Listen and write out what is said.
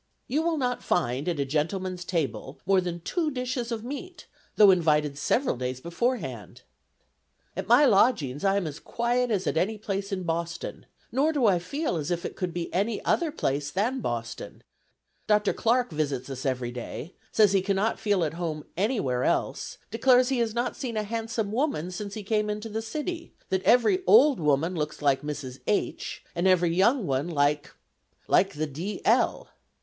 You will not find at a gentleman's table more than two dishes of meat, though invited several days beforehand. ... At my lodgings I am as quiet as at any place in Boston; nor do I feel as if it could be any other place than Boston; Dr. Clark visits us every day; says he cannot feel at home anywhere else; declares he has not seen a handsome woman since he came into the city; that every old woman looks like Mrs. H , and every young one like like the D l.